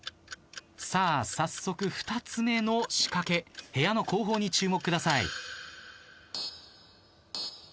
さあ早速２つ目の仕掛け部屋の後方に注目ください。